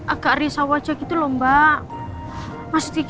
agak berisau aja gitu lomba mas jg ok